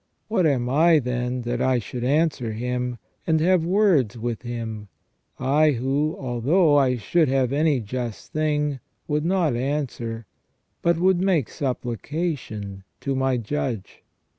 What am I, then, that I should answer Him, and have words with Him ? I who, although I should have any just thing, would not answer, but would make supplication to my judge.''